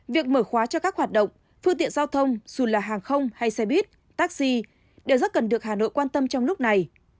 việc mở khóa cho các hoạt động phương tiện giao thông dù là hàng không hay xe buýt taxi đều rất cần được hà nội quan tâm trong lúc này